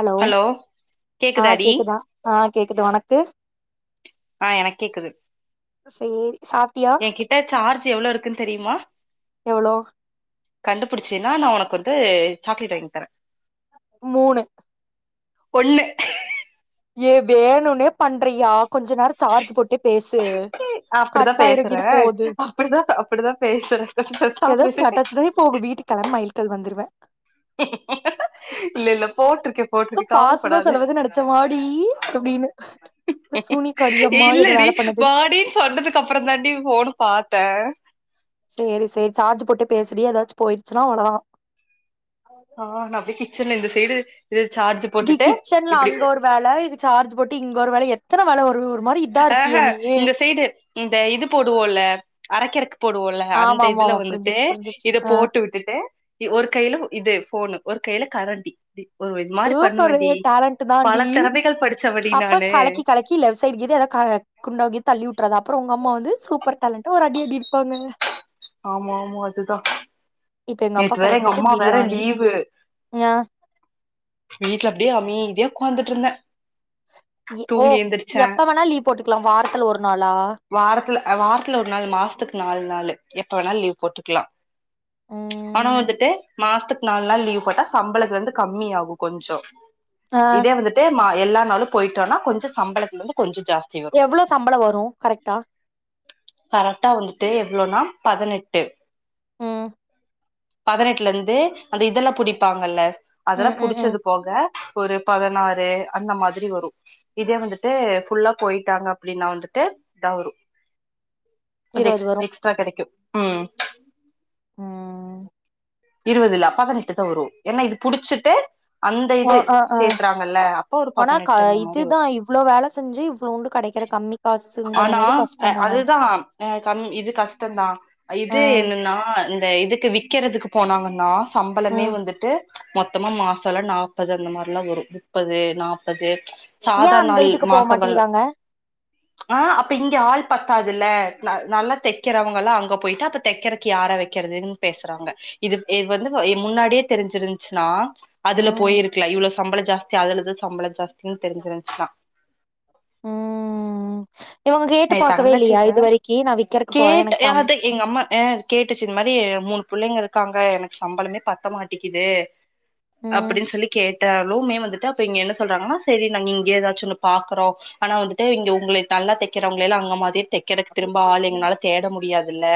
allow hello ஆ கேக்குதாடி கேக்குதா ஆ கேக்குது ஒனக்கு ஆ எனக் கேக்குது சேரி சாப்ட்டியா எங்கிட்ட சார்ஜ் எவ்ளோ இருக்குன் தெரியுமா எவ்ளோ கண்டுபிடிச்சினா நா உனக்கு வந்து சாக்லேட் வாங்கி தரே மூணு ஒண்ணு ஏ வேணுனே பண்ட்றியா கொஞ்ச நேர சார்ஜ் போட்டே பேசு அப்படிதா கட்டாயிர கீது பேசுறே போது அப்படிதா அப்படிதா பேசுறே கொஞ்சோ பேசாம எதாச்சு இரு கட்டாச்சுனா இப்ப உங்க வீட்டு கெளம் மைல்கள் வந்துருவே இல்ல இல்ல போட்டிருக்கே போட்டிருக்கே பாஸ்மா கவலப்படாத செலவுகுன் நெனச்ச வா ம் அப்டினு ஏ இல்லடி வேல பண்ணுது வாடின் சொன்னதுக்கப்றந்தான்டி ஃபோன பாத்த சேரி சேரி சார்ஜ் போட்டே பேசுடி எதாச்சு போயிடுச்சுனா அவளதா ஆ நா அப்டே கிச்சன்ல இந்த சைடு இது சார்ஜ் டீ போட்டுட்டு கிச்சன்ல இப்டி அங்க ஒரு வேல இது சார்ஜு போட்டு இங்க ஒரு வேல எத் தன வேல வரூ ஆ ஹ இந்த சைடு இந்த இது போடுவோல்ல அரக்கிறக் போடுவோல்ல அந்த ஆமா ஆமா இதுல ஆமா வந்துட்டு புரிஞ்சிருச்சு புரிஞ்சிருச்சு இதப் ஆ போட்டு விட்டுட்டு இ ஒரு கைல இது ஃபோனு ஒரு கைல கரண்டி இப்டி ஒரு இது மாரி சூப்பரு பண்ணுவேண்டி டேலண்ட்டு பல தான்டி திறமைகள் படிச்சவடி அப்ப நானு கலக்கி கலக்கி லெஃப் சைட் கீது எதா கா குண்டாகி தள்ளி உட்றாத அப்றொ உங்க அம்மா வந்து சூப்பர் டேலண்ட்ட ஒரு அடி அடிப்பாங்க ஆமா ஆமா அதுதா இப்ப எங்க அப்பா நேத்து வேற கடைக் எங்க பொய்ட்டு அம்மா வேற பிரியாணி லீவு ஞா வீட்ல அப்டியே அமீதியா உக்காந்துட்ருந்த எ ஓ எப்ப வேணா லீவ் போட்டுக்லா வாரத்துல ஒரு நாளா வாரத்துல ஆ வாரத்துல ஒரு நாள் மாசத்துக்கு நால் நாளு எப்ப வேணா லீவ் போட்டுக்லா ஆனா ம் வந்துட்டு மாசத்துக்கு நாலு நாள் லீவ் போட்டா சம்பளத்துலந்து கம்மி ஆகு கொஞ்சோ ஆ இதே வந்துட்டு மா எல்லா நாளும் போயிட்டோனா கொஞ்ச சம்பளத்துலந்து கொஞ்ச ஜாஸ்தி வரு எவ்ளோ சம்பளம் வரும் கரெக்டா கரெக்டா வந்துட்டு எவ்ளோனா பதினெட்டு ம் பதினெட்டுலருந்து அந்த இதெல்ல புடிப்பாங்கல்ல அதெல்லா ம் ம் ம் புடிச்சது போக ஒரு பதனாறு அந்த மாதிரி வரும் இதே வந்துட்டு ஃபுல்லா போயிட்டாங்க அப்டின்னா வந்துட்டு தௌரு அது இருவது எக்ஸ் வரும் எக்ஸ்ட்ரா கெடைக்கும் உம் ம் இருவதுல்ல பதினெட்டுதான் வரும் ஏன்னா இது புடிச்சிட்டு அந்த இது ஆ ஆ ஆ சேத்தறாங்கல்ல அப்ப ஒரு ஆனா க பதினெட்டு அந்த மாரி இதுதான் வரும் இவ்ளோ வேல செஞ்சு இவ்ளோண்டு கெடைக்கிற கம்மி காசுங்கற ஆனா போது கஷ்டம் தானே அதுதான் அஹ் கம் இது கஷ்டம்தான் ஆ இது என்னன்னா இந்த இதுக்கு விக்கறதுக்கு போனாங்கனா சம்பளமே ம் வந்துட்டு மொத்தமா மாசல்லா நாப்பது அந்த மாரி எல்லாம் வரும் முப்பது நாப்பது ஏ சாதா அந்த நாள் இதுக்கு போ மாசங்கள் மாட்டிறாங்க ஆஹ் அப்ப இங்க ஆள் ப அதுல நல்லா தைக்கிறவங்களா அங்க போயிட்டா அப்ப தைக்கறக்கு யார வைக்க ககிறதுன் பேசுறாங்க இது வந்து முன்னாடியே தெரிஞ்சிருச்சுன்னா அதுல ம் போயிருக்கல இவ்ளோ சம்பளம் ஜாஸ்தி அதுலதா சம்பளம் ஜாஸ்தி [unintelligible] தெரிஞ்சுரிஞ்சுனா ம் இவங்க கேட்டு என் பாக்கவே இல்லையா தங்கச்சிட்ட இது வரைக்கி நா விக்கறக்கு போறே கேட்ட எனக்கு ஏ சம் அது எங்க அம்மா ஆஹ் கேட்டுச்சு இந்த மாரி மூணு புள்ளைங்களுக் காங்க எனக்கு சம்பளமே பத்த மாட்டிக்குது ம் அப்டின்னு சொல்லி கேட் ட்டாலுமே வந்துட்டுங்க என்ன சொல்றாங்கன்னா சரி நாங்க இங்கே ஏதாச்சும் ஒன்னு பாக்கறோம் ஆனா வந்துட்டு இங்க உங்கள நல்லா தைக்கிறவங்கள அங்க மாதிரி தைக் கிடக் திரும்ப ஆள் எங்களால தேட முடியாது ல்ல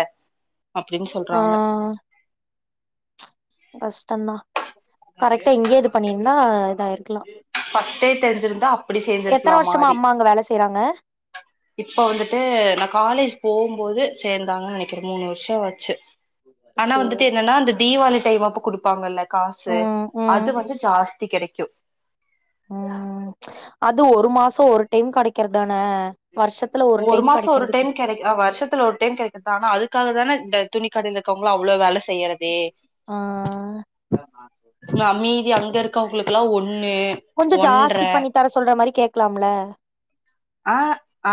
அப்படின்னு ஆ சொல்றாங்க கஷ்டம்தான் கரெக்டா எங்கேயே இது பண்ணியிருந்தா இதாயிருக்கு ஃபஷ்டே தெரிஞ்சிருந்தா அப்படி எத்தன சேர்ந்திருக்கலாம் வருஷமா மாரி அம்மா அங்க வேல செய்றாங்க இப்ப வந்துட்டு நான் காலேஜ் போம்போது சேர்ந்தாங்கு நினைக்கிற மூணு வருஷம் வச்சு ஆனா சேரி வந்துட்டு சேரி என்னன்னா அந்த தீபாவளி டைமப்ப குடுப்பாங்கல்ல காசு ம் ம் அது வந்து ஜாஸ்தி கிடைக்கும் சோ ஒரு டைம் கடைக்கிற தான ஒரு மாச ஒரு டைம் கெடைக் வர்ஷத்துல ஒரு டைம் கெடைக்குது ஆனா அதுக்காக தான இந்த துணிக்கடைல இர்க்கவங்ளா அவ்ள வேல செய்யறதே ஆ இந்த அம்மி அங்க இருக்கவங்களுக்கெல்லா ஒன் கொஞ்ச ஜாஸ்தி பண்ணி தர சொல்ற மாரி கேக்கலாம்ல ஆ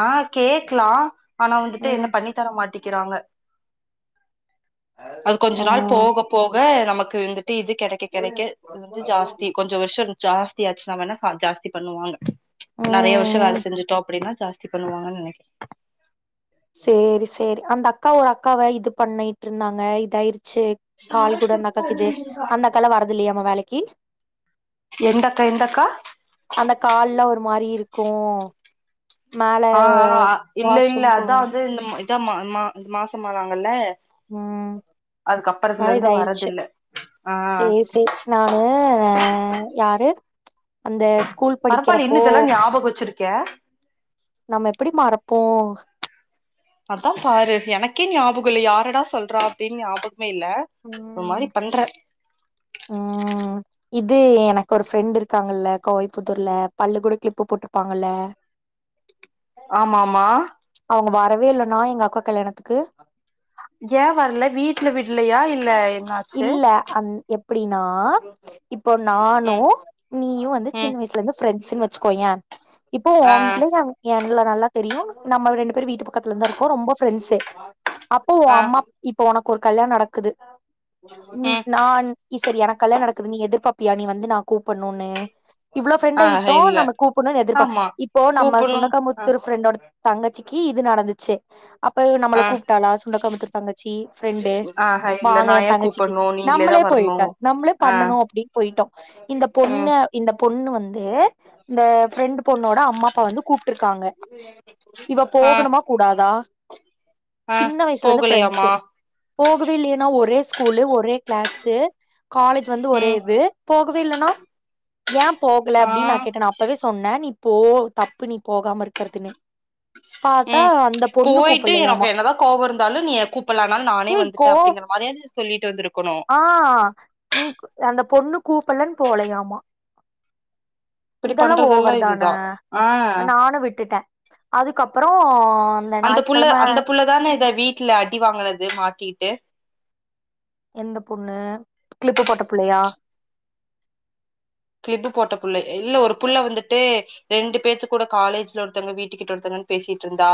ஆ கேக்லா ஆனா வந்துட்டு என்ன ம் பண்ணி தர மாட்டிங் கிறாங்க அது கொஞ்ச ஆ நாள் போக போக நமக்கு வந்து இது கெடைக்க கெடைக்க இது வந்து ஜாஸ்தி கொஞ்ச வருஷ ஜாஸ் தியாச்சுனா வேனா ஜாஸ்தி பண்ணுவாங்க நெறையா வருஷ ம் வேல செஞ்சுட் டினா ஜாஸ்தி பண்ணுவாங்கன் நெனைக் சேரி சேரி அந்த அக்கா ஒரு அக்காவ இது பண்ணிட்ருந்தாங்க இதாயிரு ச்சு கால் கூட அந்த அக்காக் இது அந்த அக்கால வரது இல்லயாமா வேலைக்கு எந்தக்கா எந்தக்கா அந்த கால்லா ஒரு மாரி இருக்கு மேல அ அ அ இல்ல இல்ல வாஷ்ரூம் அதா போனு வந்து இந்த தா மா மா மாசம் ஆனாங்கல்ல ம் அதுக்கப்பறத்துல இருந்து வரதுல்ல சேர் சேர் நானு யாரு அந்த ஸ்கூல் பரப்பால்யே படிக்கிறப்போ இன்னு இதல்லா ஞாபக் வச்சிருக் கே நம்ம எப்டி மறப்போ அதா பாரு எனக்கே ஞாபகம்ல்ல யாரடா சொல்ற அப்டின்னு ஞாபக மே இல்ல ஓரு ம் மாரி பண்ற ம் இது எனக்கு ஒரு ஃப்ரெண்ட் இருக்காங்கல்ல கோவைபுத்தூர்ல பல்லு கூட க்ளிப்பு போட்ருப்பாங்கல்ல ஆமாமா உங்க வரவே இல்லன்னா எங் அக்கா கல்யாணத்துக்கு ஏ வர்ல வீட்ல விட்லியா இல்ல என்னாச்சு இல்ல அந் எப் ப்டினா இப் போ நானு ம் நீயு வந்து ம் சின்ன வய்சுலேந்து ஃப்ரெண்டஸுன் வச் கோயேன் [unintelligible] இப்போ ஆ ஓம் வீட்டில சமைச்ன [unintelligible] இல்ல நல்லா தெரியும் நம்ம ரெண்டு பேரும் வீட்டு பக்கத்துல தான் இருக்கோம் ரொம்ப ப்ரெண்ட்ஸு அப்போ ஓ ஆ அம்மா இப்ப உனக்கு ஒரு கல்யாணம் நடக்குது நீ ம் நான் இ சரி எனக்கு கல்யாணம் நடக்குது நீ எதிர்பார்ப்பியா வந்து நான் கூப்பிடணூ இவ்ளோ ஃப்ரெண்ட் ஆ ஆகிட்டோம் இல்ல நம்ம கூப்பிடணும்னு எதிர்பார்ப் ஆமா இப்போ நம்ம கூப்புட்ணு ஆ சுண்டக்காமுத்தூர் ஃப்ரெண்டோட தங்கச்சிக்கு இது நடந்துச்சு அப்ப நம்மளை ஆ கூப்பிட்டாளா சுண்டக்காமுத்தூர் தங்கச்சி ஃப்ரெண்டு ஆஹ இல்ல நா வாளே ஏ தங்கச்சிக்கு கூப்புட்ணு நீங்களே தா நம்மளே வரணு போயிட்டா நம்மளே ஆ பண்ணணும் அப்படின்னு போயிட்டோம் இந்த ம் பொண்ணு இந்த பொண்ணு வந்து இந்த ஃப்ரெண்ட் பொண்ணோட அம்மா அப்பா வந்து கூப்பிட்டு இருக்காங்க இவ ஆ போகணுமா கூடாதா ஆ சின்ன வயசுல இருந்து பஃப்ரெண்ட்ஸ் போகலையாமா போகவே இல்லையேன்னா ஒரே ஸ்கூல்லு ஒரே கிளாஸ்சு காலேஜ் வந்து ஒரே ம் இது போ [unintelligible] ஏன் போகலே ஆ அப்படின்னு நான் கேட்டேன் நான் அப்பதே சொன்னேன் நீ போ தப்பு நீ போகாம இருக்கதுன்னு உம் போயிட்டு எனக்கு என்னதா கோவம் இருந்தாலும் நீ கூப்படலேனாலும் நானே வந்துட்டேன் அப்படிங்கிற மாதிரி ஆஹ் நீ அந்த பொண்ணு கூப்பலேனு போகலயாமா இப்டி இதெல்லாம் பண்றதெல்லா ஓவர் தானே இதுதா ஆ நானும் விட்டுட்டேன் அதுக்கப்பறம் அந்த புள்ள அந்த புள்ள தானே இத வீட்டுல அடி வாங்குனது மாட்டிட்டு எந்த பொண்ணு கிளிப்பு போட்ட புள்ளையா கிளிப்பு போட்ட புள்ள இல்ல ஒரு புள்ள வந்துட்டு ரெண்டு பேத்து கூட காலேஜ்ல ஒருத்தவங்க வீட்டுக்கிட்ட ஒருத்தவங்கிட்டே பேசிட்டு இருந்தா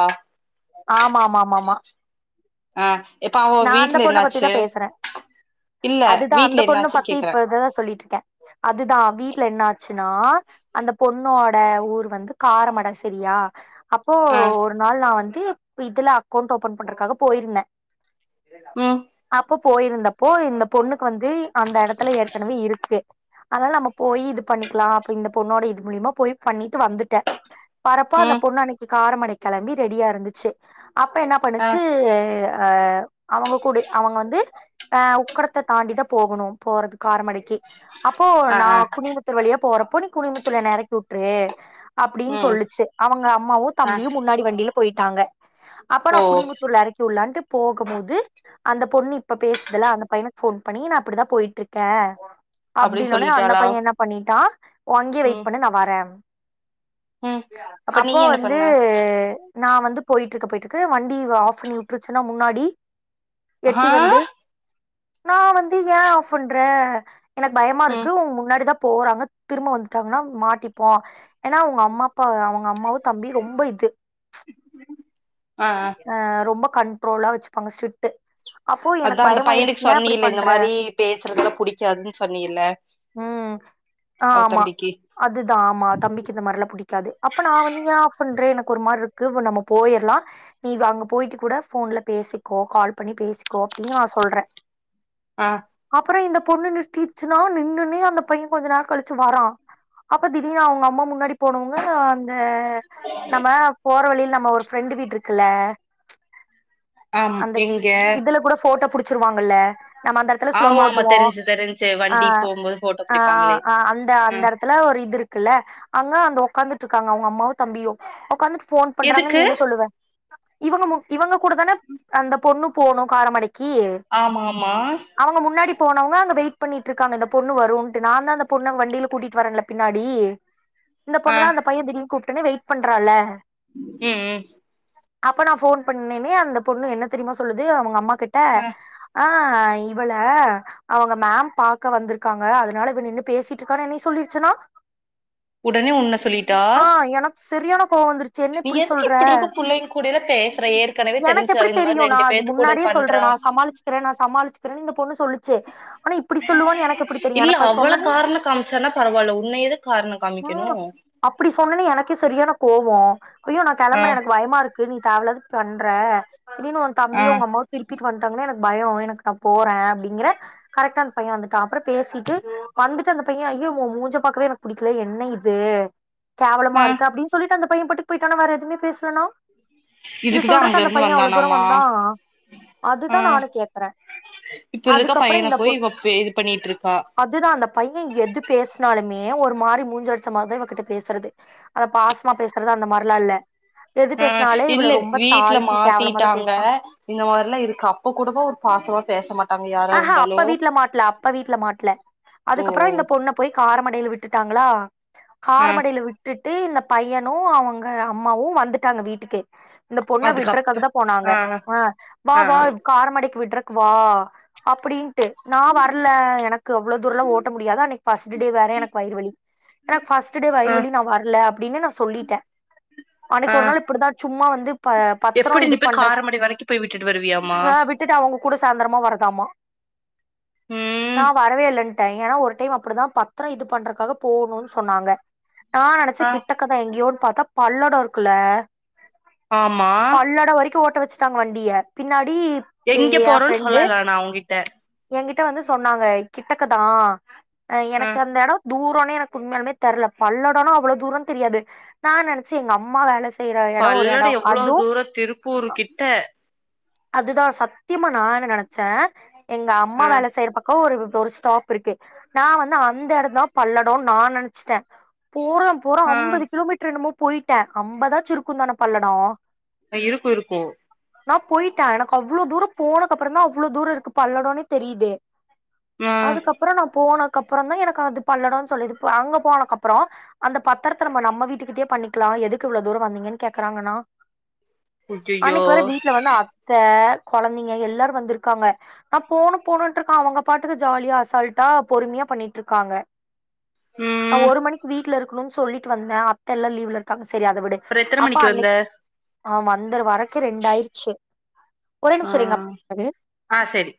ஆமா ஆமா ஆமாமா ஆ இப்ப அவ நான் அந்த வீட்ல பொண்ண என்னாச்சு பத்திதான் பேசுறேன் இல்ல அதுதான் வீட்ல அந்த பொண்ணு என்னாச்சுன்னு பத்தி கேக்குறே இப்ப இததான் சொல்லிட்டு இருக்கேன் அதுதான் வீட்டுல என்ன ஆச்சுன்னா அந்த பொண்ணோட ஊர் வந்து காரமடை சரியா அப்போ ஆ ஒரு நாள் நான் வந்து ட்டு இதுல அக்கௌண்ட் ஓப்பன் பண்றக்காக போயிருந்தே உம் ப்ப போயிருந்தப்போ இந்த பொண்ணுக்கு வந்து அந்த எடத்துல ஏற்கனவே இருக்கு அதனால நம்ம போயி இது பண்ணிக்லா அப்டி இந்த பொண்ணோட இது மூலியமா போயி பண்ணிட்டு வந்துட்டே வரப்போ அந்த ம் பொண்ண அன்னிக்கி காரமடைக் கெளம்பி ரெடியா இருந்து செ அப்ப என்னா ஆ பண்ணுச்சு அ அவங்க கூடு அவங்க வந்து அ உக்கரத்த தாண்டிதா போகணும் போறது காரமடைக்கி அப்போ ஆ நா ஆ குனியமுத்தூர் வழியா போறப்போ நீ குனிமுத்தூர்ல என்ன எறக்கி உட்ரு அப்டின் ம் சொல்லுச்சு அவங்க அம்மாவு ஆ தம்பியு முன்னாடி வண்டியில போயி ட்டாங்க அப்ப நா ஓ குனிமுத்தூர்ல எறக்கி உள்ளாண்ட்டு போகம் போது அந்த பொண்ணு இப்ப பேசுதுதில்ல அந்த பையனுக் ஃபோன் பண்ணி நா இப்டிதா போயிட்ருக்கே அப்டின்னு அப்டின்னொனே அந்த சொல்லிட்டாளா பைய என்ன பண்ணிட்டா ஓ அங்கியே வெயிட் ம் பண்ணு நா வரே ம் அப்ப நீ அப்போ என்ன வந்து பண்ண நா வந்துப் போயிட்ருக்க போயிட்ருக்க வண்டி வ ஆஃப் பண்ணி உட்டுருச்சுன்னா முன்னாடி ஆ எட்டி வந்து நா வந்து ஏ ஆஃப் பண்ற எனக் பயமா ம் இருக்கு உங் முன்னாடி தாப் போறாங்க திரும்ப வந்துட்டாங்கன்னா மாட்டிப்போ ஏனா உங்க அம்மா அப்பா அவ அவுங் க அம்மாவு தம்பியு ரொம்ப இது ஆ ஆ அ ரொம்ப கண்ட்ரோலா வெச்சுப்பாங்க ஸ்ட்ரிட்டு அப்போ அதா எனக் அந்த பயம் ஆயிருச்சு பையனுக்கு ஏ இப்டி சொன்னீல இந்த பண்ற மாரி பேசுறதுலா புடிக்காதுன்னு சொன்னீல ம் ஆ அவ ஆமா தம்பிக்கு அதுதா ஆமா தம்பிக்கு இந்த மாரில்லா புடிக்காது அப்ப நா வந்து ஏ ஆஃப் பண்றே என ஒரு மார்ருக்கு வ் நம்ம போயிர்றலா நீ இவ் அங்க போயிட்டு கூட ஃபோன்ல பேசிக்கோ கால் பண்ணி பேசிக்கோ அப்டின் நா சொல்றே ஆ அப்புறோ இந்தப் பொண்ணு நிறுத்திச்சுன்னா நின்னுனே அந்த பைய கொஞ்ச நேர கழிச்சு வரா அப்ப திடீனு அவுங்க அம்மா முன்னாடிப் போனவங்க அந்த நம்ம போற வழியி நம்ம ஒரு ஃப்ரெண்டு வீட்டுரு க்குல ஆம் எங்க ச்சிருவாங்கல்ல நம்ம அந்த எடத்துல ஸ்லோவா ஆமா ஆமா ஓட்டுவோ தெரிஞ்சு தெரிஞ்சு அ வண்டி போம்போது போட்டோ அ புடிப்பாங்களே அ அந்த ஆ அந்த எடத்துல ஒரு இது இருக்கல்ல அங்க அந்த உக்காந்து ட்ருக்காங்க அவுங்க அம்மாவு தம்பியு உக்காந்துட்டு ஃபோன் பண்றாங்க நீ எதுக்கு என்ன சொல்லுவ இவுங்க மு இவுங்க கூடதான அந்த பொண்ணு போணு காரமடைக் கி ஆமா ஆமா அவுங்க முன்னாடி போனவங்க அங்க வெயிட் பண்ணிட்டு இருக்காங்க இந்த பொண்ணு வருன்ட்டு நான்தா அந்த பொண்ணு வண்டில கூட்டிட்டு வரன்ல்ல பின்னாடி இந்த ஆ பொண்ணுதா அந்த பையன் திடீர்னு கூப் டொன்ன வெயிட் பண்றால்ல ம் ம் அப்ப நா ஃபோன் பண்ணிமே அந்த பொண்ணு என்ன தெரியுமா சொல்லுது அவுங்க அம்மா கிட்ட ஆ ஆ அ இவள அவுங்க மேம் பாக்க வந்திருக்காங்க அதனால இவ நின்னு பேசிட்டு இருக்கானு என்னை சொல்லிருச்சுனா உடனே உன்ன சொல்லிட்டா செரியான கோவோ வந்துருச்சு என்ன நீ இப்டி எதுக்கு சொல்ற இருக்க புள்ளைங்க கூடலா பேசுற ஏற்கனவே எனக்கு தெரிஞ்சு எப்புடி அவ இந்த தெரியு மாரி நா ரெண்டு அது பேத்து கூட முன்னாடியே சொல்ற பண்றா நா சமாளிச்சிக்கிற நா சமாள்ச்சுக்குறன்னு இந்த பொண்ணு சொல்லுச்சி ஆனா இப்புடி சொல்லுவான்னு எனக்கு எப்புடி தெரியு இல்ல எனக்கு அது அவள சொன்னோனே காரண காமிச்சானா பரவால்ல உன்ன எதுக்கு காரண காமிக்கணு ம் அப்புடி சொன்னொனே எனக்கே செரியான கோ ஓ ஐயோ நா ஆ கெளம்புற எனக் கு நீ தேவல்லாது பண்ற திடீனு ஓ ஆ தம்பியோ உங்க அம்மாவோ திருப்பி வன்ட்டாங்கன்னா எனக்கு பயோ எனக்கு நா போற அப்டிங்கிற கரெக்ட்டா அந்த பைய வந்துட்டா அப்பறொ பேசிட்டு வந்துட்டு அந்த பைய ஐயோ ஓ மூஞ்ச பாக்கவே எனக்கு புடிக்லே என்ன இதூ கேவலமா ஆ இருக்கு அப்டின் சொல்லிட்டு அந்தப் பைய பாட்டுக் போயிட்டானா வேற எதுமே பேஸ் சணு இது இதுக்குதா அங்க சொல்றக்கு அந்த இருந்து பைய அவ்ளோ தூரொ வந்தானாமா வந்தா ஆ அதுதா நானு கேக்குற இப்ப இருக்க அதுக்கப்பறோ பையன இந்த பொ போய் இவ இது பண்ணிட்டு இருக்கா அதுதா அந்த பைய எது பேஸ்னாலுமே ஒரு மாரி மூஞ் ச்ல அடிச்சா மார்தா இவக்கிட்ட பேசுறதே அத பாஸ்மா பேசுறது அந்த மார்லா இல்ல எது ஆ பேசினாலே இவள இல்ல ரொம்ப வீட்ல தாழ்த்தி கேவலமாதா மாட்டீட்டாங்க பேசுறா இந்த மார்லா இருக்கு அப்பக் கூடவா ஒரு பாசமா பேச மாட் அ ஹா அப்ப வீட்ல மாட்ல அப்ப வீட்ல மாட்ல ஓ அதுக்கப்பறொ இந்த பொண்ண போய் கா மடையில விட்டுட்டாங்களா ஆ கார் மடையில விட்டுட்டு இந்தப் பையனு அவங்க அம்மாவு வந்துட்டாங்க வீட்டுக்கே இந்த பொண்ண அதுக்கப்ற விட்றக்காகதா போனாங்க ஆ வா ஆ வா கார மடைக்கு விட்ற வா அப்புடி ட்டு நா வர்ல எனக்கு அவ்ளே தூரலா ஓட்ட முடியாது அனைக்கு ஃபஸ்டுடே வேற எனக்கு வயிறு வலி எனக்கு ஃபஸ்டு டே ஆ வயிறு வலி நா வர்ல ப்டினு நா சொல்லிட்ட ஆ அன்னக்கு ஒரு நாள் இப்புடிதா சும்மா வந்து ப பத்தரோ எப்டி நீ இது போய் பண்ற காரமடை வரைக்கு போய் விட்டுட்டு வருவியாமா அ விட்டுட்டு அவ்ங்க குடு சாந்தரமா வர தாமா நா ம் வரவே இல்லன்டே ஏனா ஒரு டைம் அப்படிதா பத்தர இது பண்றக்காக போகணு சொன்னாங்க நா நெனச்ச ஆ கிட்டக்கதா எங்யோ பாத்தா பல்லடோ இருக்குல்ல ஆமா பல்லட வரிக்கும் ஓட்ட வெச் ஸ்ட்டாங்க வண்டிய பின்னாட் எங்கே போறோ சொல்லல ஆனா அவ்ங்கிட்ட ட வந்து சொன்னாங்க கிட்டக்கதா அ ஆ எனக்கு அந்த எட தூர் ன எனக்கு உண்மயாலுமே தெர்ல பல்லடனா அவ்ள தூரன் தெரியாது நா நெனைச்ச எங்க அம்மா வேல செய்யற எடோ ஒரு பல்லட எடோ எவ்ளோ அதுவு தூர திருப்பூர் கிட்ட அதுதா சத்தியமா நா என்ன நெனைச்ச எங்க அம்மா ஆ வேல செய்யற பக்க ஒரு ஒரு ஸ்டாப் இருக்கு நா வந்து அந்த எடந்தா பல்லடோ நா நெனைச்சிட்ட போறம் போற ஆ அம்பது கிலோமீட்டரு என்னமோ போயிட்ட அம்பதாச்சி இருக்குந் தான பல்லடோ இருக்கு இருக்கு நா போய்ட்ட எனக்கு அவ்ளோ தூர போனக்கப்புறந்தா அவ்ளோ தூர இருக்கு பல்லடனே தெரிது ஆ அதுக்கப்பற நா போன துக்கப்புறந்தா எனக்கு அது பல்லடன் சொல்லிது இ அங்க போனக்கப்பற அந்த பத்தரத்த நம்ம நம்ம வீட்டுக்கிட்டயே பண்ணிக்கலா எதுக்கு இவ்வள தூர வந்திங்கன்னு கேக்கறாங்கனா அய்யய்யோ அன்னைக்கு வேற வீட்ல வந்து அத்த கொழந்தைங்க எல்லாரு வந்துருக்காங்க நா போணு போணுன்ட்ருக்க அவங்க பாட்டுக்கு ஜாலியா அசால்ட்டா பொறுமையா பண்ணிட்ருக்காங்க நா ம் ஒரு மணிக்கு வீட்ல இரு குனு சொல்லிட்டு வந்த அத்த எல்லா லீ்வ்ல இருக்காங்க ச சேரி அத விடு அப்றோ எத்தன அப்போ மணிக்கு வந்த அன்னைக் ஆமா வந்துர வரக்கி ரெண்டயிருச்சு ஒரு ஆ நிமிஷோ இருங்க [inaudible] ஆ செரி